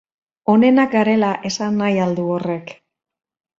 Onenak garela esan nahi al du horrek?